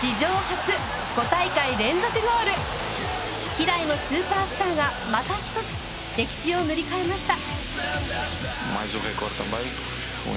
希代のスーパースターがまた一つ歴史を塗り替えました。